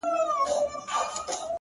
د زيارتـونو يې خورده ماتـه كـړه.!